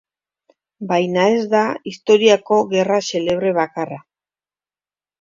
Baina ez da historiako gerra xelebre bakarra.